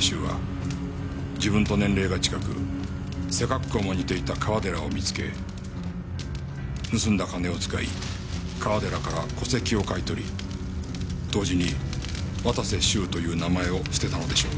修は自分と年齢が近く背格好が似ていた川寺を見つけ盗んだ金を使い川寺から戸籍を買い取り同時に綿瀬修という名前を捨てたのでしょう。